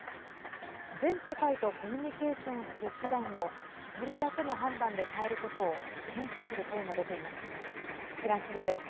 全世界とコミュニケーションする手段を一人だけの判断で変えることを危険視する声も出ています。